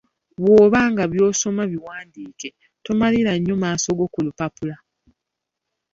Bw'oba nga by'osoma biwandiike, tomalira nnyo maaso go ku lupapula.